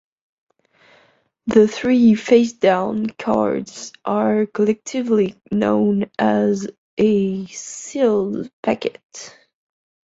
The three face down cards are collectively known as a "sealed" packet.